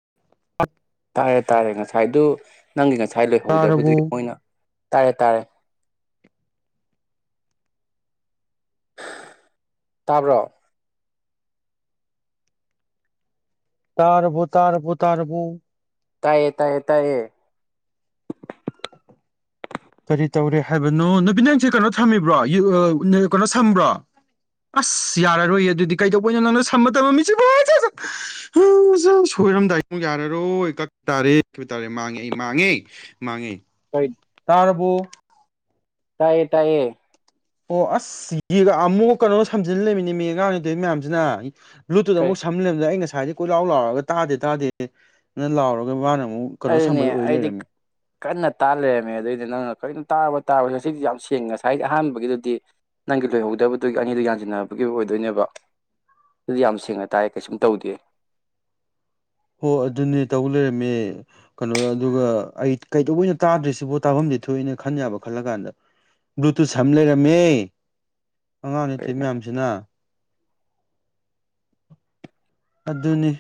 [inaudible] ꯇꯥꯔꯦ ꯇꯥꯔꯦ ꯉꯁꯥꯏꯗꯨ ꯅꯪꯒꯤ ꯉꯁꯥꯏ ꯂꯣꯏꯍꯧꯗꯕꯗꯨ ꯇꯥꯔꯕꯣ ꯃꯣꯏꯅ ꯇꯥꯔꯦ ꯇꯥꯔꯦ ꯇꯕ꯭ꯔꯣ ꯇꯥꯔꯕꯨ ꯇꯥꯔꯕꯨꯨ ꯇꯥꯔꯕꯨ ꯇꯥꯏꯌꯦ ꯇꯥꯏꯌꯦ ꯇꯥꯏꯌꯦ ꯀꯔꯤ ꯇꯧꯔꯦ ꯍꯥꯏꯕꯅꯣ ꯅꯨꯄꯤꯠ ꯅꯪꯁꯦ ꯀꯩꯅꯣ ꯊꯝꯃꯤꯕ꯭ꯔꯣ ꯀꯩꯅꯣ ꯁꯝꯕ꯭ꯔꯣ ꯑꯁ ꯌꯥꯔꯔꯣꯏ ꯑꯗꯨꯗꯤ ꯀꯩꯗꯧꯕꯅꯣ ꯅꯪꯅ ꯁꯝꯕ ꯃꯤ ꯁꯣꯏꯔꯝꯗꯥꯏ ꯌꯥꯔꯔꯣꯏꯄ ꯇꯥꯔꯦ ꯇꯔꯦ ꯃꯥꯡꯉꯦ ꯑꯩ ꯃꯥꯡꯉꯦ ꯃꯥꯡꯉꯦ ꯀꯩ ꯇꯔꯕꯨ ꯇꯥꯏꯌꯦ ꯇꯥꯏꯌꯦ ꯑꯣ ꯑꯁ ꯌꯦꯒ ꯑꯃꯨꯛ ꯀꯩꯅꯣ ꯁꯝꯖꯤꯜ ꯂꯩꯃꯤꯅꯤ ꯃꯤ ꯑꯉꯥꯡꯔꯤꯗꯣꯏ ꯃꯌꯥꯝꯁꯤꯅ ꯕ꯭ꯂꯨꯠ ꯀꯩ ꯑꯃꯨꯛꯝꯂꯝꯂꯗ ꯑꯩꯅ ꯉꯥꯏꯗꯤ ꯀꯣꯏꯂꯥꯎ ꯂꯥꯎꯔꯒ ꯇꯥꯗꯦ ꯇꯥꯗꯦ ꯑꯗꯨ ꯂꯥꯎꯔꯒ ꯃꯥꯅ ꯑꯃꯨꯛ ꯀꯩꯅꯣ ꯑꯗꯨꯅꯦ ꯁꯝꯕꯩ ꯑꯣꯏ ꯑꯩꯗꯤ ꯂꯩꯔꯝꯃꯦ ꯀꯟꯅ ꯇꯥ ꯂꯩꯔꯝꯃꯦ ꯑꯗꯨꯏꯗꯤ ꯅꯪꯅ ꯀꯔꯤ ꯇꯥꯕ ꯇꯥꯕ ꯉꯁꯤꯗꯤ ꯌꯥꯝ ꯁꯦꯡꯉ ꯉꯁꯥꯏꯗꯤ ꯑꯍꯥꯟꯕꯒꯤꯗꯨꯗꯤ ꯅꯪꯒꯤ ꯂꯣꯏꯍꯧꯗꯕꯗꯨꯒꯤ ꯑꯅꯤꯗꯨ ꯌꯥꯟꯁꯤꯟꯅꯕꯒꯤ ꯑꯣꯏꯗꯣꯏꯅꯦꯕ ꯑꯗꯨꯗꯤ ꯌꯥꯝ ꯁꯦꯡꯅ ꯇꯥꯏ ꯀꯩꯁꯨꯝ ꯇꯧꯗꯦ ꯍꯣ ꯑꯗꯨꯅꯦ ꯇꯧ ꯂꯩꯔꯝꯃꯦ ꯀꯩꯅꯣ ꯑꯗꯨꯒ ꯑꯩ ꯀꯩꯗꯧꯕ ꯑꯣꯏꯅ ꯇꯥꯗ꯭ꯔꯤꯁꯤꯕꯣ ꯇꯥꯐꯝꯗꯤ ꯊꯣꯛꯑꯏꯅ ꯈꯟ ꯌꯥꯕ ꯈꯜꯂ ꯀꯥꯟꯗ ꯕ꯭ꯂꯨꯇꯨꯠ ꯁꯝ ꯂꯩꯔꯝꯃꯦ ꯑꯉꯥꯡ ꯑꯊ ꯍꯣꯏꯅꯦ ꯃꯌꯥꯝꯁꯤꯅ ꯑꯗꯨꯅꯤ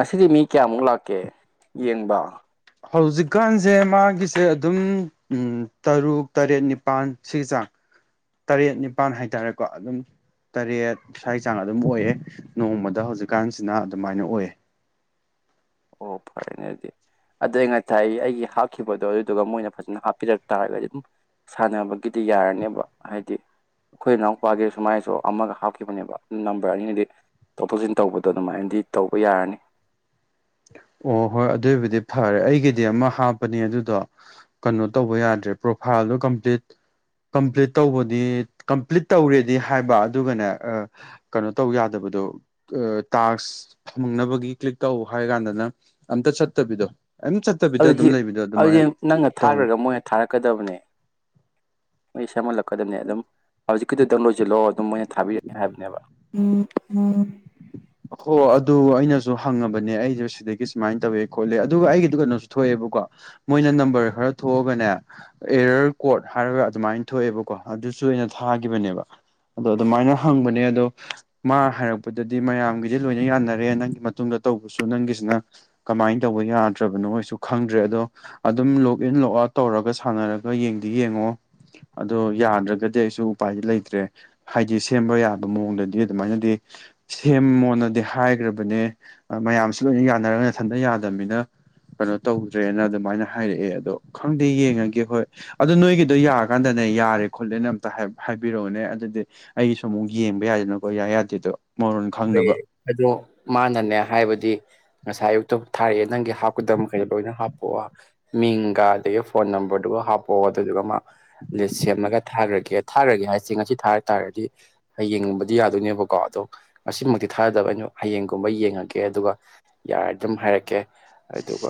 ꯑꯁꯤꯗꯤ ꯃꯤ ꯀꯌꯥꯃꯨꯛ ꯂꯥꯛꯀꯦ ꯌꯦꯡꯕ꯫ ꯍꯧꯖꯤꯛꯀꯥꯟꯁꯦ ꯃꯥꯒꯤꯁꯦ ꯑꯗꯨꯝ ꯎꯝ ꯇꯔꯨꯛ ꯇꯔꯦꯠ ꯅꯤꯄꯥꯜ ꯁꯤꯒꯤ ꯆꯥꯡ ꯇꯔꯦꯠ ꯅꯤꯄꯥꯜ ꯍꯥꯏꯇꯥꯔꯦꯀꯣ ꯑꯗꯨꯝ ꯇꯔꯦꯠ ꯁ꯭ꯋꯥꯏꯒꯤ ꯆꯥꯡ ꯑꯗꯨꯝ ꯑꯣꯏꯌꯦ ꯅꯣꯡꯃꯗ ꯍꯧꯖꯤꯛꯀꯥꯟꯁꯤꯅ ꯑꯗꯨꯃꯥꯏꯅ ꯑꯣꯏꯌꯦ꯫ ꯑꯣ ꯐꯔꯦꯅꯦꯗꯤ ꯑꯗꯩ ꯉꯥꯏꯁꯥꯏ ꯑꯩꯒꯤ ꯍꯥꯞꯈꯤꯕꯗꯣ ꯑꯗꯨꯗꯨꯒ ꯃꯣꯏꯅ ꯐꯖꯅ ꯍꯥꯞꯄꯤꯔꯛ ꯇꯥꯔꯒꯗꯤ ꯑꯗꯨꯝ ꯁꯥꯟꯅꯕꯒꯤꯗꯤ ꯌꯥꯔꯅꯦꯕ ꯍꯥꯏꯗꯤ ꯑꯩꯈꯣꯏ ꯏꯅꯥꯎꯄꯥꯒꯤ ꯁꯨꯃꯥꯏꯅꯁꯨ ꯑꯃꯒ ꯍꯥꯞꯈꯤꯕꯅꯦꯕ ꯅꯝꯕꯔ ꯑꯅꯤꯅꯗꯤ ꯄꯨꯊꯣꯛ ꯇꯧꯁꯤꯟ ꯇꯧꯕꯗꯣ ꯑꯗꯨꯃꯥꯏꯅꯗꯤ ꯇꯧꯕ ꯌꯥꯔꯅꯤ꯫ ꯑꯣ ꯍꯣꯏ ꯑꯗꯨꯏꯕꯨꯗꯤ ꯐꯔꯦ ꯑꯩꯒꯤꯗꯤ ꯑꯃ ꯍꯥꯞꯄꯅꯤ ꯑꯗꯨꯗꯣ ꯀꯩꯅꯣ ꯇꯧꯕ ꯌꯥꯗ꯭ꯔꯦ ꯄ꯭ꯔꯣꯐꯥꯏꯜꯗꯣ ꯀꯝꯄ꯭ꯂꯤꯠ ꯀꯝꯄ꯭ꯂꯤꯠ ꯇꯧꯕꯗꯤ ꯀꯝꯄ꯭ꯂꯤꯠ ꯇꯧꯔꯦꯗꯤ ꯍꯥꯏꯕ ꯑꯗꯨꯒꯅꯦ ꯑꯥ ꯀꯩꯅꯣ ꯇꯧ ꯌꯥꯗꯕꯗꯣ ꯑꯥ ꯇꯥꯛꯁ ꯐꯪꯅꯕꯒꯤ ꯀ꯭ꯂꯤꯛ ꯇꯧꯕ꯫ ꯍꯥꯏ ꯀꯥꯟꯗꯅ ꯑꯝꯇ ꯆꯠꯇꯕꯤꯗꯣ꯫ ꯑꯝ ꯆꯠꯇꯕꯤꯗ ꯑꯗꯨꯝ ꯑꯗꯨꯗꯤ ꯂꯩꯕꯗꯣ ꯑꯗꯨꯗꯤ ꯑꯗꯨꯃꯥꯏꯅ ꯅꯪꯅ ꯇꯧꯔꯦ ꯊꯥꯈ꯭ꯔꯒ ꯃꯣꯏꯅ ꯊꯥꯔꯛꯀꯗꯕꯅꯦ꯫ ꯑꯩꯩ ꯁꯦꯝꯍꯜꯂꯛꯀꯦ꯫ ꯀꯗꯕꯅꯦ ꯑꯗꯨꯝ ꯍꯧꯖꯤꯛꯀꯤꯗꯨꯗꯡ ꯂꯣꯏꯁꯤꯜꯂꯛꯑꯣ ꯑꯗꯨꯝ ꯃꯣꯏꯅ ꯊꯥꯕꯤꯔꯛꯀꯦ ꯍꯥꯏꯕꯅꯦꯕ꯫ [inaudible] ꯍꯣ ꯑꯗꯨ ꯑꯩꯅꯁꯨ ꯍꯪꯉꯕꯅꯦ ꯑꯩꯁꯨꯦ ꯁꯤꯗꯒꯤ ꯁꯨꯃꯥꯏꯅ ꯇꯧꯋꯦ ꯈꯣꯠꯂꯦ ꯑꯗꯨꯒ ꯑꯩꯒꯤꯗꯨ ꯀꯩꯅꯣꯁꯨ ꯊꯣꯛꯑꯦꯕꯀꯣ꯫ ꯃꯣꯏꯅ ꯅꯝꯕꯔ ꯈꯔ꯫ ꯊꯣꯛꯑꯒꯅꯦ ꯑꯦꯔꯔ ꯀꯣꯔꯣꯠ ꯍꯥꯏꯔꯒ ꯑꯗꯨꯃꯥꯏꯅ ꯊꯣꯛꯑꯦꯕꯀꯣ ꯑꯗꯨꯁꯨ ꯑꯩꯅ ꯊꯥꯈꯤꯕꯅꯦꯕ ꯑꯗꯣ ꯑꯗꯨꯃꯥꯏꯅ ꯍꯪꯕꯅꯦ ꯑꯗꯣ ꯃꯥ ꯍꯥꯏꯔꯛꯄꯗꯗꯤ ꯃꯌꯥꯝ ꯂꯣꯏꯅ ꯌꯥꯅꯔꯦ ꯅꯪꯒꯤ ꯃꯇꯨꯡꯗ ꯇꯧꯕꯁꯨ ꯅꯪꯒꯤꯁꯤꯅ ꯀꯃꯥꯏꯅ ꯇꯧꯕ ꯌꯥꯗ꯭ꯔꯕꯅꯣꯁꯨ ꯈꯪꯗ꯭ꯔꯦ ꯑꯗꯣ ꯑꯗꯨꯝ ꯂꯣꯛ ꯑ ꯇꯧꯔ ꯁꯅꯔꯒ ꯌꯦꯡꯗꯤ ꯌꯦꯡꯉꯣ ꯑꯣ ꯌꯥꯗ꯭ꯔꯒꯗꯤ ꯑꯩꯁꯨ ꯎꯄꯥꯏꯗꯤ ꯂꯩꯇ꯭ꯔꯦ ꯍꯥꯏꯗꯤ ꯁꯦꯝꯕ ꯌꯥꯕ ꯃꯑꯣꯡꯗꯗꯤ ꯑꯗꯨꯃꯥꯏꯅꯗꯤ ꯁꯦꯝꯃ ꯅꯗꯤ ꯍꯥꯏꯈ꯭ꯔꯕꯅꯦ ꯃꯌꯥꯝꯁꯤ ꯂꯣꯏꯅ ꯌꯥꯅꯔꯒ ꯏꯊꯟꯇ ꯌꯥꯗꯕꯅꯤꯅ ꯀꯩꯅꯣ ꯇꯧꯗ꯭ꯔꯦꯅ ꯑꯗꯨꯃꯥꯏꯅ ꯍꯥꯏꯔꯛꯑꯦ ꯑꯗꯣ ꯈꯪꯗꯦ ꯌꯦꯡꯉꯒꯦ ꯍꯣꯏ ꯑꯗꯣ ꯅꯣꯏꯒꯤꯗꯣ ꯌꯥꯔꯀꯥꯟꯗꯅꯦ ꯌꯥꯔꯦ ꯈꯣꯠꯂꯦꯅ ꯑꯝꯇ ꯍꯥꯏꯕꯤꯔꯛꯑꯣꯅꯦ ꯑꯗꯨꯗꯤ ꯑꯩꯒꯤꯁꯨ ꯑꯃꯨꯛ ꯌꯦꯡꯕ ꯌꯥꯏꯗꯅꯀꯣ ꯌꯥꯏ ꯌꯥꯗꯦꯗꯣ ꯃꯣꯔꯣꯟ ꯂꯩꯌꯦ ꯈꯪꯅꯕ ꯑꯗꯣ ꯃꯥꯅꯅꯦ ꯍꯥꯏꯕꯗꯤ ꯉꯁꯥꯏ ꯑꯌꯨꯛꯇꯣ ꯊꯥꯔꯛꯑꯦ ꯅꯪꯒꯤ ꯍꯥꯞꯀꯗꯕ ꯃꯈꯩꯗ ꯂꯣꯏꯅ ꯍꯥꯞꯄꯛꯑꯣ ꯃꯤꯡꯒ ꯑꯗꯒꯤ ꯐꯣꯟ ꯅꯝꯕꯔꯗꯨꯒ ꯍꯥꯞꯄꯛꯑꯣ ꯑꯗꯨꯗꯨꯒ ꯃꯥ ꯂꯤꯁ ꯁꯦꯝꯃꯒ ꯊꯥꯈ꯭ꯔꯒꯦ ꯊꯥꯈ꯭ꯔꯒꯦ ꯍꯥꯏꯁꯦ ꯉꯁꯤ ꯊꯥ ꯇꯥꯔꯗꯤ ꯌꯦꯡꯅꯤꯡꯕꯗꯤ ꯌꯥꯗꯣꯏꯅꯦꯕꯀꯣ ꯑꯗꯣ ꯃꯁꯤꯃꯛꯇꯤ ꯊꯥꯗꯕ ꯑꯩꯅ ꯍꯌꯦꯡꯒꯨꯝꯕ ꯌꯦꯡꯉꯒꯦ ꯑꯗꯨꯒ ꯌꯥꯔꯦ ꯑꯗꯨꯝ ꯍꯥꯏꯔꯛꯀꯦ ꯑꯗꯨꯒꯥ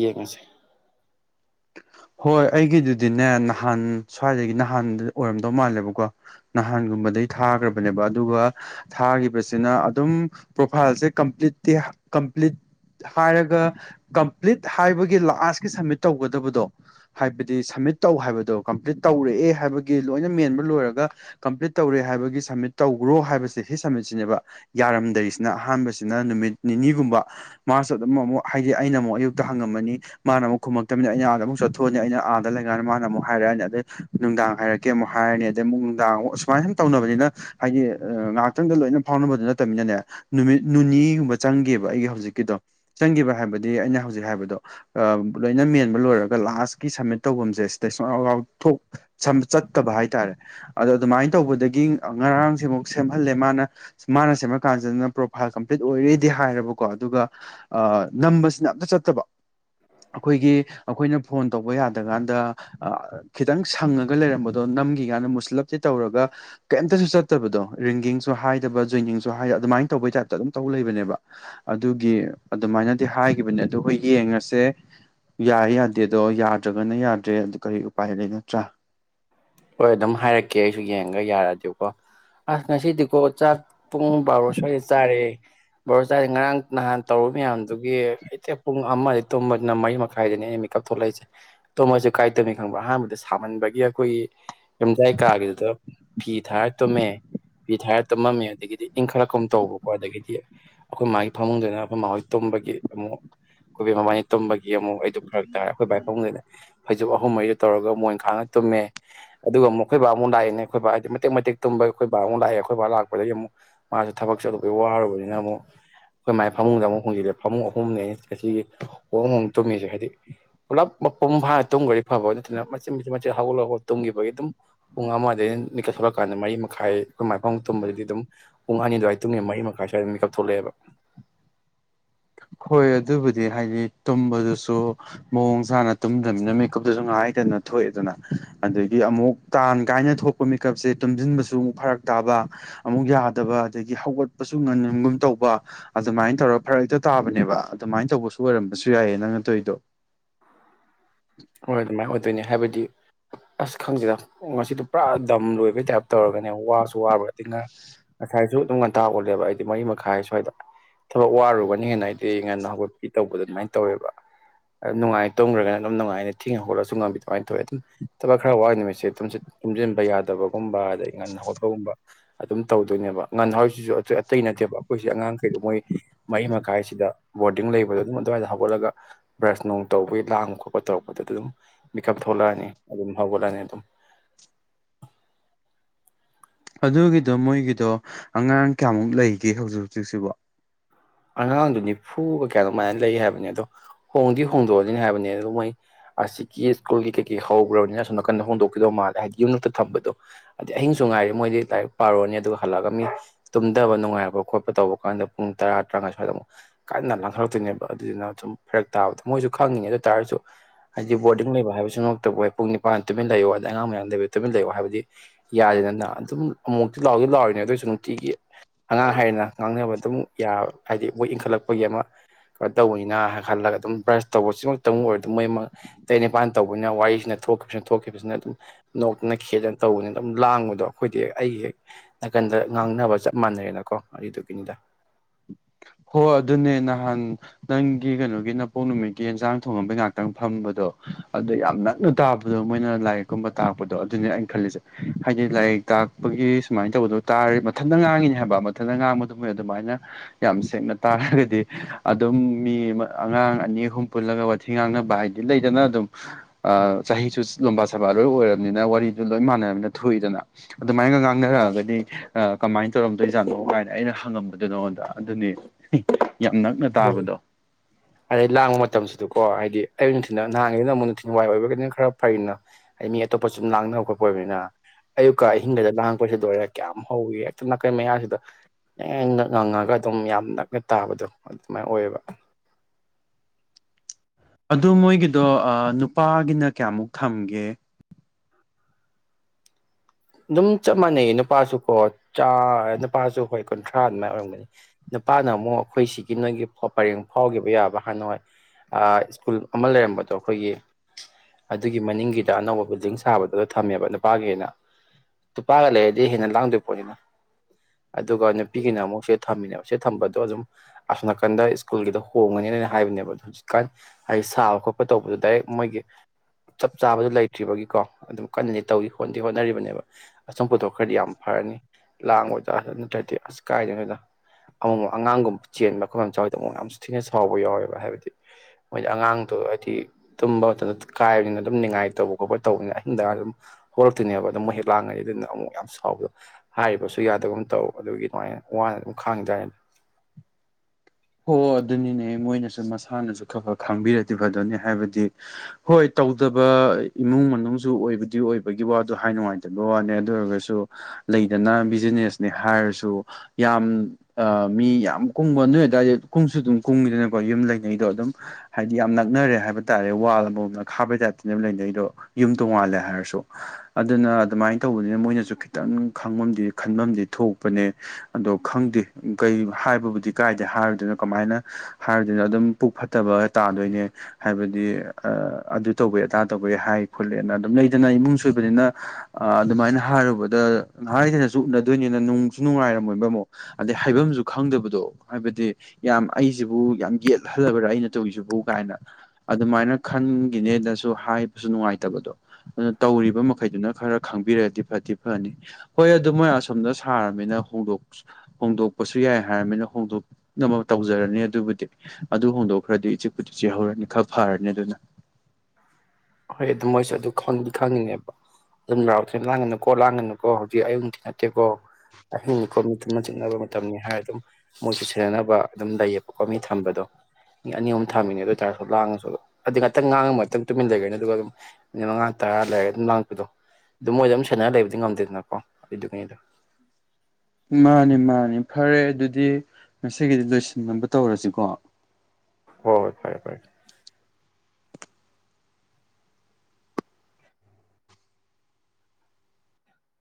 ꯌꯦꯉꯁꯦ ꯍꯣꯏ ꯑꯩꯒꯤꯗꯨꯗꯤꯅꯦ ꯅꯍꯥꯟ ꯁ꯭ꯋꯥꯏꯗꯒꯤ ꯅꯍꯥꯟ ꯑꯣꯏꯔꯝꯗꯧ ꯃꯥꯜꯂꯦꯕꯀꯣ ꯅꯍꯥꯟꯒꯨꯝꯕꯗꯩ ꯊꯥꯈ꯭ꯔꯕꯅꯦꯕ ꯑꯗꯨꯒ ꯊꯥꯈꯤꯕꯁꯤꯅ ꯑꯗꯨꯝ ꯄ꯭ꯔꯣꯐꯥꯏꯜꯁꯦ ꯀꯝꯄ꯭ꯂꯤꯠꯇꯤ ꯀꯝꯄ꯭ꯂꯤꯠ ꯍꯥꯏꯔꯒ ꯀꯝꯄ꯭ꯂꯤꯠ ꯍꯥꯏꯕꯒꯤ ꯂꯥꯁꯀꯤ ꯁꯝꯃꯤꯠ ꯇꯧꯒꯗꯕꯗꯣ ꯍꯥꯏꯕꯗꯤ ꯁꯝꯃꯤꯠ ꯇꯧ ꯍꯥꯏꯕꯗꯣ ꯀꯝꯄ꯭ꯂꯤꯠ ꯇꯧꯔꯑꯦ ꯍꯥꯏꯕꯒꯤ ꯂꯣꯏꯅ ꯃꯦꯟꯕ ꯂꯣꯏꯔꯒ ꯀꯝꯄ꯭ꯂꯤꯠ ꯇꯧꯔꯦ ꯍꯥꯏꯕꯒꯤ ꯁꯝꯃꯤꯠ ꯇꯧꯈ꯭ꯔꯣ ꯍꯥꯏꯕꯁꯦ ꯁꯤ ꯁꯝꯃꯤꯠꯁꯤꯅꯦꯕ ꯌꯥꯔꯝꯗꯔꯤꯁꯤꯅ ꯑꯍꯥꯟꯕꯁꯤꯅ ꯅꯨꯃꯤꯠ ꯅꯤꯅꯤꯒꯨꯝꯕ ꯃꯥꯁꯨ ꯑꯗꯨꯝ ꯑꯃꯨꯛ ꯍꯥꯏꯗꯤ ꯑꯩꯅ ꯑꯃꯨꯛ ꯑꯌꯨꯛꯇ ꯍꯪꯉꯝꯃꯅꯤ ꯃꯥꯅ ꯑꯃꯨꯛ ꯈꯨꯝꯃꯛꯇꯕꯅꯤ ꯑꯩꯅꯗ ꯑꯃꯨꯛ ꯆꯠꯊꯣꯛꯑꯅꯤ ꯑꯩꯅ ꯑꯥꯗ ꯂꯩꯉꯥꯟꯅ ꯃꯥꯅ ꯑꯃꯨꯛ ꯍꯥꯏꯔꯛꯑꯅꯤ ꯑꯗꯩ ꯅꯨꯡꯗꯥꯡ ꯍꯥꯏꯔꯛꯀꯦ ꯑꯃꯨꯛ ꯍꯥꯏꯔꯅꯤ ꯑꯗꯩ ꯑꯃꯨꯛ ꯅꯨꯡꯗꯥꯡꯛ ꯁꯨꯃꯥꯏꯅ ꯁꯨꯝ ꯇꯧꯅꯕꯅꯤꯅ ꯍꯥꯏꯗꯤ ꯉꯥꯏꯍꯥꯛꯇꯪꯗ ꯂꯣꯏꯅ ꯐꯥꯎꯅꯕꯗꯨ ꯅꯠꯇꯕꯅꯤꯅꯅꯦ ꯅꯨꯃꯤꯠ ꯅꯨꯡꯅꯤꯒꯨꯝꯕ ꯆꯪꯒꯤꯕ ꯑꯩꯒꯤ ꯍꯧꯖꯤꯛꯀꯤꯗꯣ ꯆꯪꯒꯤꯈꯤꯕ ꯍꯥꯏꯕꯗꯤ ꯑꯩꯅ ꯍꯧꯖꯤꯛ ꯍꯥꯏꯕꯗꯣ ꯂꯣꯏꯅ ꯃꯦꯟꯕ ꯂꯣꯏꯔꯒ ꯑꯗꯨꯒ ꯂꯥꯁꯀꯤ ꯁꯝꯃꯤꯠ ꯇꯧꯐꯝꯁꯦ ꯁꯤꯗ ꯁꯥꯎ ꯑꯥꯎꯊ ꯆꯠꯇꯕ ꯍꯥꯏꯇꯥꯔꯦ ꯑꯗꯣ ꯑꯗꯨꯃꯥꯏꯅ ꯇꯧꯕꯗꯒꯤ ꯉꯔꯥꯡꯁꯦ ꯑꯃꯨꯛ ꯁꯦꯝꯍꯜꯂꯦ ꯃꯥꯅ ꯃꯥꯅ ꯁꯦꯝꯃꯛꯀꯥꯟꯁꯤꯗꯅ ꯄ꯭ꯔꯣꯐꯥꯏꯜ ꯀꯝꯄ꯭ꯂꯤꯠ ꯑꯣꯏꯔꯦꯗꯤ ꯍꯥꯏꯔꯕꯀꯣ ꯑꯗꯨꯒ ꯅꯝꯕꯁꯤꯅ ꯑꯝꯇ ꯆꯠꯇꯕ ꯑꯩꯈꯣꯏꯒꯤ ꯑꯩꯈꯣꯏꯅ ꯐꯣꯟ ꯇꯧꯕ ꯌꯥꯗꯀꯥꯟꯗ ꯈꯤꯇꯪ ꯁꯪꯉꯒ ꯂꯩꯔꯝꯕꯗꯣ ꯅꯝꯈꯤ ꯀꯥꯟꯗ ꯃꯨꯁꯂꯞꯇꯤ ꯇꯧꯔꯒ ꯀꯩꯝꯇꯁꯨ ꯆꯠꯇꯕꯗꯣ ꯔꯤꯡꯒꯤꯡꯁꯨ ꯍꯥꯏꯗꯕ ꯖꯣꯏꯤꯡꯅꯤꯡꯡꯁꯨ ꯍꯥꯏꯗꯕ ꯑꯗꯨꯃꯥꯏꯅ ꯇꯧꯕꯩ ꯇꯥꯏꯞꯇ ꯑꯗꯨꯝ ꯇꯧ ꯂꯩꯕꯅꯦꯕ ꯑꯗꯨꯒꯤ ꯑꯗꯨꯃꯥꯏꯅꯗꯤ ꯍꯥꯏꯒꯤꯈꯤꯕꯅꯦ ꯑꯗꯣ ꯑꯩꯈꯣꯏ ꯌꯦꯡꯉꯁꯦ ꯌꯥꯏ ꯌꯥꯗꯦ ꯑꯗꯣ ꯌꯥꯗ꯭ꯔꯒꯅ ꯌꯥꯗ꯭ꯔꯦ ꯑꯗꯨ ꯀꯔꯤ ꯎꯄꯥꯏ ꯂꯩ ꯅꯠꯇ꯭ꯔꯥ ꯍꯣꯏ ꯑꯗꯨꯝ ꯍꯥꯏꯔꯛꯀꯦ ꯑꯩꯁꯨ ꯌꯦꯡꯉꯒ ꯌꯥꯔꯑꯗꯤꯦꯕꯀꯣ ꯑꯁ ꯉꯁꯤꯗꯤꯀꯣ ꯆꯥꯛ ꯄꯨꯡ ꯕꯥꯔꯣ ꯁ꯭ꯋꯥꯏꯗ ꯆꯥꯔꯦ ꯕꯥꯔꯣ ꯆꯥꯔꯦ ꯉꯔꯥꯡ ꯅꯍꯥꯟ ꯇꯧꯔꯨ ꯃꯌꯥꯝꯗꯨꯒꯤ ꯑꯩ ꯄꯨꯡ ꯑꯃ ꯇꯨꯝꯕꯅ ꯃꯔꯤ ꯃꯈꯥꯏꯗꯅꯦ ꯑꯃꯤ ꯀꯛꯊꯣꯛꯂꯛꯏꯁꯦ ꯇꯨꯝꯃꯁꯨ ꯀꯥꯏ ꯇꯨꯝꯃꯤ ꯈꯪꯕ꯭ꯔꯥ ꯑꯍꯥꯟꯕꯗ ꯁꯥꯃꯟꯕꯒꯤ ꯑꯩꯈꯣꯏꯒꯤ ꯌꯨꯝꯗꯥꯏ ꯀꯥꯒꯤꯗꯨꯗ ꯐꯤ ꯊꯥꯏꯔ ꯇꯨꯝꯃꯦ ꯐꯤ ꯊꯥꯔ ꯇꯨꯝꯃꯝꯃꯦ ꯑꯗꯒꯤꯗꯤ ꯏꯪꯈꯠꯂꯛꯀ ꯇꯧꯕꯀꯣ ꯑꯗꯒꯤꯗꯤ ꯑꯩꯈꯣꯏ ꯃꯥꯒꯤ ꯐꯃꯨꯡꯗꯨꯅ ꯑꯩꯈꯣꯏ ꯃꯥꯍꯣꯏ ꯇꯨꯝꯕꯒꯤ ꯑꯃꯨꯛ ꯑꯩꯈꯣꯏꯕ ꯃꯕꯥꯥꯏꯅ ꯇꯨꯝꯕꯒꯤ ꯑꯃꯨꯛ ꯑꯩꯗꯨ ꯈꯔ ꯇꯥꯔꯦ ꯑꯩꯈꯣꯏ ꯕꯥꯒꯤ ꯐꯃꯨꯡꯗꯨꯅ ꯐꯩꯖꯨꯞ ꯑꯍꯨꯝ ꯃꯔꯤꯗꯨ ꯇꯧꯔꯒ ꯃꯣꯏ ꯈꯥꯡꯅ ꯇꯨꯝꯃꯦ ꯑꯗꯨꯒ ꯑꯃꯨꯛ ꯑꯩꯈꯣꯏ ꯕꯥ ꯑꯃꯨꯛ ꯂꯥꯛꯏꯦꯅꯦ ꯑꯩꯈꯣꯏ ꯕꯥ ꯍꯥꯏꯗꯤ ꯃꯇꯦꯛ ꯃꯇꯦꯛ ꯇꯨꯝꯕꯒꯤ ꯑꯩꯈꯣꯏ ꯕꯥ ꯑꯃꯨꯛ ꯂꯥꯛꯑꯦ ꯑꯩꯈꯣꯏ ꯕꯥ ꯂꯥꯛꯄꯗꯒꯤ ꯑꯃꯨꯛ ꯃꯥꯁꯨ ꯊꯕꯛ ꯆꯠꯗꯧꯕꯒꯤ ꯋꯥꯔꯨꯕꯅꯤꯅ ꯑꯃꯨꯛ ꯑꯩꯈꯣꯏ ꯃꯒꯤ ꯐꯃꯨꯡꯗ ꯑꯃꯨꯛ ꯍꯣꯡꯖꯤꯜꯂꯦ ꯐꯃꯨꯡ ꯑꯍꯨꯝꯅꯦ ꯉꯁꯤꯒꯤ ꯍꯣꯡ ꯍꯣꯡ ꯇꯨꯝꯃꯤꯁꯦ ꯍꯥꯏꯗꯤ ꯄꯨꯂꯞ ꯃꯄꯨꯡ ꯐꯥꯅ ꯇꯨꯝꯈꯗꯤ ꯐꯕ ꯅꯠꯇ꯭ꯔꯅ ꯃꯆꯤꯟ ꯃꯆꯤꯟ ꯃꯆꯦꯠ ꯍꯧꯒꯠꯂꯒꯄ ꯇꯨꯝꯈꯤꯕꯒꯤ ꯑꯗꯨꯝ ꯄꯨꯡ ꯑꯃꯋꯥꯗꯩ ꯃꯤꯀꯠ ꯊꯣꯛꯂꯛꯀꯥꯟꯗ ꯃꯔꯤ ꯃꯈꯥꯏ ꯑꯩꯈꯣꯏ ꯃꯥꯏꯐꯝ ꯇꯨꯝꯕꯗꯗꯤ ꯑꯗꯨꯝ ꯄꯨꯡ ꯑꯅꯤ ꯑꯗꯨꯋꯥꯏ ꯇꯨꯝꯉꯦ ꯃꯔꯤ ꯃꯈꯥꯏ ꯁ꯭ꯋꯥꯏꯗ ꯃꯤꯀꯞ ꯊꯣꯛꯂꯛꯑꯦꯕ ꯍꯣꯏ ꯑꯗꯨꯕꯨꯗꯤ ꯍꯥꯏꯗꯤ ꯇꯝꯕ ꯑꯗꯨꯁꯨ ꯃꯑꯣꯡꯁꯥꯅ ꯇꯨꯝꯗ꯭ꯔꯕꯅꯤꯅ ꯃꯦꯀꯞꯇꯨꯁꯨ ꯉꯥꯏꯇꯅ ꯊꯣꯛꯑꯦꯗꯅ ꯑꯗꯒꯤ ꯑꯃꯨꯛ ꯇꯥꯟ ꯀꯥꯏꯅ ꯊꯣꯛꯄ ꯃꯦꯀꯞꯁꯦ ꯇꯨꯝꯁꯤꯟꯕꯁꯨ ꯑꯃꯨꯛ ꯐꯔꯛ ꯇꯥꯕ ꯑꯃꯨꯛ ꯌꯥꯗꯕ ꯑꯗꯒꯤ ꯍꯧꯒꯠꯄꯁꯨ ꯉꯟꯟꯒꯨꯝ ꯇꯧꯕ ꯑꯗꯨꯃꯥꯏꯅ ꯇꯧꯔꯒ ꯐꯔ ꯍꯛꯇ ꯇꯥꯕꯅꯦꯕ ꯑꯗꯨꯃꯥꯏꯅ ꯇꯧꯕꯁꯨ ꯑꯣꯏꯔꯝꯕꯁꯨ ꯌꯥꯏꯑ ꯅꯪ ꯑꯇꯏꯗꯣ ꯍꯣꯏ ꯑꯗꯨꯃꯥꯏꯅ ꯑꯣꯏꯗꯣꯏꯅꯦ ꯍꯥꯏꯕꯗꯤ ꯑꯁ ꯈꯪꯁꯤꯗ ꯉꯁꯤꯗꯣ ꯄꯨꯔꯥ ꯗꯝ ꯂꯣꯏꯕꯩ ꯇꯥꯏꯞ ꯇꯧꯔꯒꯅꯦ ꯋꯥꯁꯨ ꯋꯥꯔꯒꯗꯤ ꯉ ꯉꯁꯥꯏꯁꯨ ꯑꯗꯨꯝ ꯉꯟꯇꯥ ꯑꯣꯜꯂꯦꯕ ꯑꯩꯗꯤ ꯃꯔꯤ ꯃꯈꯥꯏ ꯁ꯭ꯋꯥꯏꯗ ꯊꯕꯛ ꯋꯥꯔꯨꯕꯅ ꯍꯦꯟꯅ ꯑꯩꯗꯤ ꯉꯟꯅ ꯍꯧꯒꯠꯄꯤ ꯇꯧꯕꯗ ꯑꯗꯨꯃꯥꯏꯅ ꯇꯧꯋꯦꯕ ꯅꯨꯡꯉꯥꯏ ꯇꯧꯈ꯭ꯔꯒꯅ ꯑꯗꯨꯝ ꯅꯨꯡꯉꯥꯏꯅ ꯑꯊꯦꯡꯅ ꯍꯧꯒꯠꯂꯁꯨ ꯉꯝꯕꯤ ꯑꯗꯨꯃꯥꯏꯅ ꯇꯧꯋꯦ ꯑꯗꯨꯝ ꯊꯕꯛ ꯈꯔ ꯋꯥ ꯅꯨꯃꯤꯠꯁꯦ ꯇꯨꯝꯁꯤꯟꯕ ꯌꯥꯗꯕꯒꯨꯝꯕ ꯑꯗꯗꯒꯤ ꯉꯟꯅ ꯍꯧꯒꯠꯄꯒꯨꯝꯕ ꯑꯗꯨꯝ ꯇꯧꯗꯣꯏꯅꯦꯕ ꯉꯟꯅ ꯍꯧꯔꯤꯁꯤꯁꯨ ꯑ ꯑꯇꯩ ꯅꯠꯇꯦꯕ ꯑꯩꯈꯣꯏꯁꯦ ꯑꯉꯥꯡꯈꯩꯗꯣ ꯃꯣꯏ ꯃꯍꯔꯤ ꯃꯈꯥꯏꯁꯤꯗ ꯕꯣꯔꯗꯤꯡ ꯂꯩꯕꯗꯣ ꯑꯗꯨꯝ ꯑꯗꯨꯋꯥꯏꯗ ꯍꯧꯒꯠꯂꯒ ꯕ꯭ꯔꯁ ꯅꯨꯡ ꯇꯧꯕꯒꯤ ꯂꯥꯡꯕ ꯈꯣꯠꯄ ꯇꯧꯔꯛꯄ ꯑꯗꯨꯝ ꯃꯤꯀꯞ ꯊꯣꯛꯂꯛꯑꯅꯤ ꯑꯗꯨꯝ ꯍꯧꯒꯠꯂꯛꯅꯤ ꯑꯗꯨꯝ ꯑꯗꯨꯒꯤꯗꯣ ꯃꯣꯏꯒꯤꯗꯣ ꯑꯉꯥꯡ ꯀꯌꯥꯃꯨꯛ ꯂꯩꯒꯦ ꯍꯧꯖꯤꯛ ꯍꯧꯖꯤꯛꯁꯤꯕꯣ ꯑꯉꯥꯡꯗꯨ ꯅꯤꯐꯨꯒ ꯀꯌꯥ ꯑꯗꯨꯃꯥꯏꯅ ꯂꯩ ꯍꯥꯏꯕꯅꯦ ꯑꯗꯣ ꯍꯣꯡꯗꯤ ꯍꯣꯡꯗꯣꯛꯑꯗꯤꯅꯤ ꯍꯥꯏꯕꯅꯤ ꯑꯗꯣ ꯃꯣꯏ ꯑꯁꯤꯒꯤ ꯁ꯭ꯀꯨꯜꯒꯤ ꯀꯩꯀꯩ ꯍꯧꯈ꯭ꯔꯕꯅꯤꯅ ꯑ ꯁꯣ ꯅꯥꯀꯟꯗ ꯍꯣꯡꯗꯣꯛꯈꯤꯗꯧ ꯃꯥꯜꯂꯦ ꯍꯥꯏꯗꯤ ꯌꯨꯝꯂꯛꯇ ꯊꯝꯕꯗꯣ ꯍꯥꯏꯗꯤ ꯑꯍꯤꯡꯁꯨ ꯉꯥꯏꯔꯤ ꯃꯣꯏꯗꯤ ꯂꯥꯏꯔꯤꯛ ꯄꯥꯔꯨꯔꯅꯤ ꯑꯗꯨꯒ ꯍꯜꯂꯛꯑꯒ ꯃꯤ ꯇꯨꯝꯗꯕ ꯅꯨꯡꯉꯥꯏꯕ ꯈꯣꯠꯄ ꯇꯧꯕ ꯀꯥꯟꯗ ꯄꯨꯡ ꯇꯔꯥ ꯇꯔꯥꯉ ꯁ꯭ꯋꯥꯏꯗ ꯑꯃꯨꯛ ꯀꯟꯅ ꯂꯥꯡꯈꯠꯂꯛꯇꯣꯏꯅꯦꯕ ꯑꯗꯨꯗꯨꯅ ꯑꯗꯨꯝ ꯐꯤꯔꯛ ꯇꯥꯕꯗꯣ ꯃꯣꯏꯁꯨ ꯈꯪꯉꯤꯅꯦ ꯑꯗꯨ ꯑꯣꯏ ꯇꯥꯔꯁꯨ ꯍꯥꯏꯗꯤ ꯕꯣꯔꯗꯤꯡ ꯂꯩꯕ ꯍꯥꯏꯕꯁꯨ ꯉꯃꯛꯇꯕꯕꯨ ꯍꯣꯏ ꯄꯨꯡ ꯅꯤꯄꯥꯟꯗ ꯇꯨꯃꯤꯟ ꯂꯩꯌꯣ ꯑꯗꯩ ꯑꯉꯥꯡ ꯃꯌꯥꯝ ꯂꯩꯕ ꯇꯨꯃꯤꯟ ꯂꯩꯌꯣ ꯍꯥꯏꯕꯗꯤ ꯌꯥꯗꯦꯗꯅ ꯑꯗꯨꯝ ꯑꯃꯨꯛꯇꯤ ꯂꯥꯎꯗꯤ ꯂꯥꯎꯔꯤꯅꯦ ꯑꯗꯨꯑꯣꯏꯁꯨ ꯅꯨꯡꯇꯤꯒꯤ ꯑꯉꯥꯡ ꯍꯥꯏꯔꯤꯅ ꯉꯥꯡꯅꯕ ꯑꯗꯨꯝ ꯍꯥꯏꯗꯤ ꯃꯣꯏ ꯏꯟꯈꯠꯂꯛꯄꯒꯤ ꯑꯃ ꯀꯩꯅꯣ ꯇꯧꯕꯅꯤꯅ ꯍꯥꯏ ꯈꯜꯂꯒ ꯑꯗꯨꯝ ꯕ꯭ꯔꯁ ꯇꯧꯕꯁꯤꯃꯛꯇꯪ ꯑꯣꯏꯔꯗꯤ ꯃꯣꯏ ꯇ ꯅꯤꯄꯥꯟ ꯇꯧꯕꯅꯤꯅ ꯋꯥꯔꯤꯁꯤꯅ ꯊꯣꯛꯈꯤꯕꯁꯤꯅ ꯊꯣꯛꯈꯤꯕꯁꯤꯅ ꯑꯗꯨꯝ ꯅꯣꯛꯇꯅ ꯈꯦꯗꯅ ꯇꯧꯕꯅꯤꯅ ꯑꯗꯨꯝ ꯂꯥꯡꯕꯗꯣ ꯑꯩꯈꯣꯏꯗꯤ ꯍꯦꯛ ꯑꯩꯒꯤ ꯍꯦꯛ ꯅꯥꯀꯟꯗ ꯉꯥꯡꯅꯕ ꯆꯞ ꯃꯥꯟꯅꯔꯦꯅꯀꯣ ꯑꯗꯨꯗꯨꯒꯤꯅꯤꯗ ꯍꯣ ꯑꯗꯨꯅꯦ ꯅꯍꯥꯟ ꯅꯪꯒꯤ ꯀꯩꯅꯣꯒꯤ ꯅꯄꯣꯛ ꯅꯨꯃꯤꯠꯀꯤ ꯌꯦꯟꯁꯥꯡ ꯊꯣꯡꯉꯝꯕꯩ ꯉꯍꯥꯛꯇꯪ ꯐꯝꯕꯗꯣ ꯑꯗꯨꯗ ꯌꯥꯝ ꯅꯛꯅ ꯇꯥꯕꯗꯣ ꯃꯣꯏꯅ ꯂꯥꯏꯔꯤꯛꯀꯨꯝꯕ ꯇꯥꯛꯄꯗꯣ ꯑꯗꯨꯅꯦ ꯑꯩꯅ ꯈꯜꯂꯤꯁꯦ ꯍꯥꯏꯗꯤ ꯂꯥꯏꯔꯤꯛ ꯇꯥꯛꯄꯒꯤ ꯁꯨꯃꯥꯏꯅ ꯇꯧꯕꯗꯣ ꯇꯥꯔꯦ ꯃꯊꯟꯇ ꯉꯥꯡꯉꯤꯅꯦ ꯍꯥꯏꯕ ꯃꯊꯟꯇ ꯉꯥꯡꯕꯗ ꯃꯣꯏ ꯑꯗꯨꯃꯥꯏꯅ ꯌꯥꯝ ꯁꯦꯡꯅ ꯇꯥꯔꯒꯗꯤ ꯑꯗꯨꯝ ꯃꯤ ꯑꯉꯥꯡ ꯑꯅꯤ ꯑꯍꯨꯝ ꯄꯨꯜꯂꯒ ꯋꯥꯊꯤ ꯉꯥꯡꯅꯕ ꯍꯥꯏꯗꯤ ꯂꯩꯗꯅ ꯑꯗꯨꯝ ꯑ ꯆꯍꯤꯁꯨ ꯂꯣꯕꯥ ꯁꯕꯥ ꯂꯣꯏ ꯑꯣꯏꯔꯕꯅꯤꯅ ꯋꯥꯔꯤꯗꯨꯣ ꯂꯣꯏ ꯃꯥꯟꯅꯅꯤꯅ ꯊꯣꯛꯏꯗꯅ ꯑꯗꯨꯃꯥꯏꯅꯒ ꯉꯥꯡꯅꯔꯛꯑꯒꯗꯤ ꯀꯃꯥꯏꯅ ꯇꯧꯔꯝꯗꯣꯏꯖꯥꯠꯅꯣ ꯀꯥꯏꯅ ꯑꯩꯅ ꯍꯪꯉꯝꯕꯗꯗꯨ ꯅꯉꯣꯟꯗ ꯑꯗꯨꯅꯤ ꯌꯥꯝ ꯅꯛꯅ ꯇꯥꯕꯗꯣ ꯑꯗꯩ ꯂꯥꯡꯕ ꯃꯇꯝꯁꯤ ꯑꯗꯨꯀꯣ ꯍꯥꯏꯗꯤ ꯑꯌꯨꯛ ꯅꯨꯡꯊꯤ ꯅꯍꯥꯡꯉꯤꯗꯨꯅ ꯑꯃꯨꯛ ꯅꯨꯡꯊꯤ ꯋꯥꯏ ꯑꯣꯏꯕꯒꯅꯤꯅ ꯈꯔ ꯐꯔꯤꯅ ꯍꯥꯏꯗꯤ ꯃꯤ ꯑꯇꯣꯞꯄ ꯁꯨꯝ ꯂꯥꯡꯅꯕ ꯈꯣꯠꯄ ꯑꯣꯏꯕꯅꯤꯅ ꯑꯌꯨꯛꯀ ꯑꯍꯤꯡꯒꯗ ꯂꯥꯡꯉꯛꯄꯩꯁꯤꯗꯣꯏꯔꯦ ꯀꯌꯥꯝ ꯍꯧꯏꯤ ꯍꯦꯛꯇꯝ ꯅꯥꯀꯟ ꯃꯌꯥꯁꯤꯗ ꯅꯛ ꯉꯪꯉꯒ ꯑꯗꯨꯝ ꯌꯥꯝ ꯅꯛꯅ ꯇꯥꯕꯗꯣ ꯃꯥꯏꯅ ꯑꯣꯏꯌꯦꯕ ꯑꯗꯨ ꯃꯣꯏꯒꯤꯗꯣ ꯅꯨꯄꯥꯒꯤꯅ ꯀꯌꯥꯃꯨꯛ ꯊꯝꯒꯦ ꯑꯗꯨꯝ ꯆꯞ ꯃꯥꯟꯅꯩ ꯅꯨꯄꯥꯁꯨꯀꯣ ꯅꯨꯄꯥꯁꯨ ꯍꯣꯏ ꯀꯨꯟꯊ꯭ꯔꯥ ꯑꯗꯨꯃꯥꯏ ꯑꯣꯏꯔꯝꯒꯅꯤ ꯅꯨꯄꯥꯅ ꯑꯃꯨꯛ ꯑꯩꯈꯣꯏ ꯁꯤꯒꯤ ꯅꯣꯏꯒꯤ ꯄꯔꯦꯡ ꯐꯥꯎꯈꯤꯕ ꯌꯥꯕ ꯍꯥꯟꯅꯋꯥꯣꯏ ꯁ꯭ꯀꯨꯜ ꯑꯃ ꯂꯩꯔꯝꯕꯗꯣ ꯑꯩꯈꯣꯏꯒꯤ ꯑꯗꯨꯒꯤ ꯃꯅꯤꯡꯒꯤꯗ ꯑꯅꯧꯕ ꯕꯤꯜꯗꯤꯡ ꯁꯥꯕꯗꯨꯗ ꯊꯝꯃꯦꯕ ꯅꯨꯄꯥꯒꯤꯅ ꯅꯨꯄꯥꯒ ꯂꯩꯔꯗꯤ ꯍꯦꯟꯅ ꯂꯥꯡꯗꯣꯏ ꯄꯣꯠꯅꯤꯅ ꯑꯗꯨꯒ ꯅꯨꯄꯤꯒꯤꯅ ꯑꯃꯨꯛ ꯁꯤꯦ ꯊꯝꯃꯤꯅꯦꯕ ꯁꯤ ꯊꯝꯕꯗꯣ ꯑꯗꯨꯝ ꯑꯁꯣ ꯅꯥꯀꯟꯗ ꯁ꯭ꯀꯨꯜꯒꯤꯗ ꯍꯣꯡꯒꯅꯤꯅꯅ ꯍꯥꯏꯕꯅꯦꯕ ꯑ ꯍꯧꯖꯤꯛꯀꯥꯟ ꯍꯥꯏꯗꯤ ꯁꯥꯕ ꯈꯣꯠꯄ ꯇꯧꯕꯗꯣ ꯗꯥꯏꯔꯦꯛ ꯃꯣꯏꯒꯤ ꯆꯞ ꯆꯥꯕꯗꯨ ꯂꯩꯇ꯭ꯔꯤꯕꯒꯤꯀꯣ ꯑꯗꯨꯝ ꯀꯟꯅꯗꯤ ꯇꯧꯋ ꯍ ꯍꯣꯠꯅꯔꯤꯕꯅꯦꯕ ꯑꯆꯪꯄꯣꯊꯣꯛ ꯈꯔꯗꯤ ꯌꯥꯝ ꯐꯔꯅꯤ ꯂꯥꯡꯕꯗ ꯅꯠꯇ꯭ꯔꯗꯤ ꯑꯁ ꯀꯥꯏꯗꯕꯗ ꯑꯃꯃꯝ ꯑꯉꯥꯡꯒꯨꯝꯕ ꯆꯦꯟꯕ ꯈꯣꯠ ꯆꯥꯎꯏꯗ ꯑꯃꯨꯛ ꯌꯥꯝ ꯊꯤꯅ ꯁꯥꯎꯕ ꯌꯥꯎꯋꯦꯕ ꯍꯥꯏꯕꯗꯤ ꯃꯣꯏꯗꯤ ꯑꯉꯥꯡꯗꯣ ꯍꯥꯏꯕꯗꯤ ꯇꯨꯝꯕ ꯃꯇꯝꯗ ꯀꯥꯏꯕꯅꯤꯅ ꯑꯗꯨꯝ ꯅꯨꯡꯉꯥꯏ ꯇꯧꯕ ꯈꯣꯠꯄ ꯇꯧꯕꯅꯤꯅ ꯑꯍꯤꯡꯗ ꯑꯗꯨꯝ ꯍꯧꯂꯛꯇꯣꯏꯅꯦꯕ ꯑꯗꯨ ꯃꯣꯏ ꯍꯦꯛ ꯂꯥꯡꯉꯅꯤ ꯑꯗꯨꯅ ꯑꯃꯨꯛ ꯌꯥꯝ ꯁꯥꯎꯕꯗꯣ ꯍꯥꯏꯔꯤꯕꯁꯨ ꯌꯥꯗꯕ ꯑꯃ ꯇꯧ ꯑꯗꯨꯒꯤ ꯑꯗꯨꯃꯥꯏꯅ ꯋꯥꯅ ꯑꯗꯨꯝ ꯈꯥꯡ ꯇꯔꯦꯅꯦ ꯍꯣ ꯑꯗꯨꯅꯤꯅꯦ ꯃꯣꯏꯅꯁꯨ ꯃꯁꯥꯅꯁꯨ ꯈꯔ ꯈꯔ ꯈꯪꯕꯤꯔꯗꯤꯦ ꯐ ꯑꯗꯨꯅꯦ ꯍꯥꯏꯕꯗꯤ ꯍꯣꯏ ꯇꯧꯗꯕ ꯏꯃꯨꯡ ꯃꯅꯨꯡꯁꯨ ꯑꯣꯏꯕꯗꯤ ꯑꯣꯏꯕꯒꯤ ꯋꯥꯗ ꯍꯥꯏ ꯅꯨꯡꯉꯥꯏꯇꯕ ꯋꯥꯅꯦ ꯑꯗꯨ ꯑꯣꯏꯔꯒꯁꯨ ꯂꯩꯗꯅ ꯕꯤꯖꯤꯅꯦꯁꯅꯦ ꯍꯥꯏꯔꯁꯨ ꯌꯥꯝ ꯃꯤ ꯌꯥꯝ ꯀꯨꯝꯕ ꯅꯣꯏ ꯑꯗꯨꯗꯥꯏꯗꯤ ꯀꯨꯡꯁꯨ ꯑꯗꯨꯝ ꯀꯨꯝꯈꯤꯗꯅꯀꯣ ꯌꯨꯝ ꯂꯩꯅꯩꯗꯣ ꯑꯗꯨꯝ ꯍꯥꯏꯗꯤ ꯌꯥꯝ ꯅꯛꯅꯔꯦ ꯍꯥꯏꯕ ꯇꯥꯔꯦ ꯋꯥꯜꯂꯕꯅ ꯈꯥꯕꯩ ꯇꯥꯏꯞꯇꯅꯦ ꯂꯩꯅꯩꯗꯣ ꯌꯨꯝ ꯇꯣꯡꯉꯥꯜꯂꯦ ꯍꯥꯏꯔꯁꯨ ꯑꯗꯨꯅ ꯑꯗꯨꯃꯥꯏꯅ ꯇꯧꯕꯅꯤꯅ ꯃꯣꯏꯅꯁꯨ ꯈꯤꯇꯪ ꯈꯪꯐꯝꯗꯤ ꯈꯟꯐꯝꯗꯤ ꯊꯣꯛꯄꯅꯦ ꯑꯗꯣ ꯈꯪꯗꯦ ꯀꯩ ꯍꯥꯏꯕꯕꯨꯗꯤ ꯀꯥꯏ ꯑ ꯍꯥꯏꯔꯨꯗꯨꯅ ꯀꯃꯥꯏꯅ ꯍꯥꯏꯔꯨꯗꯨꯅ ꯑꯗꯨꯝ ꯄꯨꯛ ꯐꯠꯇꯕ ꯇꯥꯗꯣꯏꯅꯦ ꯍꯥꯏꯕꯗꯤ ꯑ ꯑꯗꯨ ꯇꯧꯕꯦ ꯑꯗꯥ ꯇꯧꯕꯦ ꯍꯥꯏ ꯈꯣꯠꯂꯦꯅ ꯑꯗꯨꯝ ꯂꯩꯗꯅ ꯏꯃꯨꯡ ꯁꯣꯏꯕꯅꯤꯅ ꯑ ꯑꯗꯨꯃꯥꯏꯅ ꯍꯥꯏꯔꯨꯕꯗ ꯍꯥꯏꯔꯤꯗꯅꯁꯨ ꯎꯠꯅꯗꯣꯏꯅꯤꯅ ꯅꯨꯡꯁꯨ ꯅꯨꯡꯉꯥꯏꯔꯝꯃꯣꯏꯕ ꯑꯃꯨꯛ ꯑꯗꯩ ꯍꯥꯏꯐꯝꯁꯨ ꯈꯪꯗꯕꯗꯣ ꯍꯥꯏꯕꯗꯤ ꯌꯥꯝ ꯑꯩꯁꯤꯕꯨ ꯌꯥꯝ ꯌꯦꯠꯍꯜꯂꯕ꯭ꯔꯥ ꯑꯩꯅ ꯇꯧꯔꯤꯁꯤꯕꯨ ꯀꯥꯏꯅ ꯑꯗꯨꯃꯥꯏꯅ ꯈꯟꯈꯤꯅꯦꯅꯁꯨ ꯍꯥꯏꯕꯁꯨ ꯅꯨꯡꯉꯥꯏꯇꯕꯗꯣ ꯑꯗꯨꯅ ꯇꯧꯔꯤꯕ ꯃꯈꯩꯗꯨꯅ ꯈꯔ ꯈꯪꯕꯤꯔꯗꯤ ꯐꯗꯤ ꯐꯅꯤ ꯍꯣꯏ ꯑꯗꯨ ꯃꯣꯏ ꯑꯁꯣꯝꯗ ꯁꯥꯔꯝꯅꯤꯅ ꯍꯣꯡ ꯍꯣꯡꯗꯣꯛꯄꯁꯨ ꯌꯥꯏ ꯍꯥꯏꯔꯃꯅꯤꯅ ꯍꯣꯡꯗꯣꯛ ꯅ ꯇꯧꯖꯔꯅꯤ ꯑꯗꯨꯕꯨꯗꯤ ꯑꯗꯨ ꯍꯣꯡꯗꯣꯛꯈ꯭ꯔꯗꯤ ꯏꯆꯤꯛꯄꯨꯗꯤ ꯆꯤꯍꯧꯔꯅꯤ ꯈꯔ ꯐꯔꯅꯤ ꯑꯗꯨꯅ ꯍꯣꯏ ꯑꯗꯨꯝ ꯃꯣꯏꯁꯨ ꯑꯗꯨ ꯈꯪꯗꯤ ꯈꯪꯉꯤꯉꯦꯕ ꯑꯗꯨꯝ ꯂꯥꯎꯔꯛꯇꯣꯢ ꯂꯥꯡꯒꯅꯨꯀꯣ ꯂꯥꯡꯒꯅꯨꯀꯣ ꯍꯧꯖꯤꯛ ꯑꯌꯨꯛ ꯅꯨꯡꯊꯤꯟ ꯅꯠꯇꯦꯀꯣ ꯑꯍꯤꯡꯅꯤꯀꯣ ꯃꯤ ꯇꯨꯝꯅ ꯆꯤꯅꯕ ꯃꯇꯝꯅꯤ ꯍꯥꯏꯔ ꯑꯗꯨꯝ ꯃꯣꯏꯁꯨ ꯁꯦꯟꯅꯅꯕ ꯑꯗꯨꯝ ꯂꯩꯌꯦꯕꯀꯣ ꯃꯤ ꯊꯝꯕꯗꯣ ꯃꯤ ꯑꯅꯤ ꯑꯍꯨꯝ ꯊꯝꯃꯤꯅꯦ ꯑꯗꯨ ꯑꯣꯏꯇꯥꯔꯁꯨ ꯂꯥꯡꯉꯁꯨ ꯑꯗꯤ ꯉꯥꯛꯇꯪ ꯉꯥꯡꯉꯒ ꯉꯥꯛꯇꯪ ꯇꯨꯃꯤꯟ ꯂꯩꯒꯅꯤ ꯑꯗꯨꯒ ꯃꯤꯅꯤꯠ ꯃꯉꯥ ꯇꯔꯥ ꯂꯩꯔꯒ ꯑꯗꯨꯝ ꯂꯥꯡꯉꯛꯄꯤꯗꯣ ꯑꯗꯨ ꯃꯣꯏꯗ ꯑꯗꯨꯝ ꯁꯦꯟꯅꯔ ꯂꯩꯕꯗꯤ ꯉꯝꯗꯦꯗꯅꯀꯣ ꯑꯗꯨꯗꯨꯒꯤꯅꯤꯗ ꯃꯥꯅꯦ ꯃꯥꯅꯦ ꯐꯔꯦ ꯑꯗꯨꯗꯤ ꯉꯁꯤꯒꯤꯗꯤ ꯂꯣꯏꯁꯤꯟꯅꯕ ꯇꯧꯔꯁꯤꯀꯣ ꯍꯣꯏ ꯍꯣꯏ ꯐꯔꯦ ꯐꯔꯦ